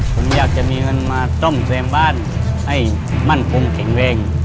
ผมอยากจะมีเงินมาซ่อมแซมบ้านให้มั่นคงแข็งแรง